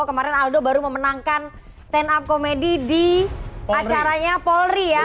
kemarin aldo baru memenangkan stand up komedi di acaranya polri ya